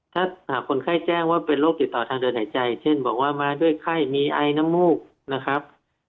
ถ้าหากคนไข้แจ้งว่าเป็นโรคติดต่อทางเดินหายใจเช่นบอกว่ามาด้วยไข้มีไอน้ำมูกนะครับ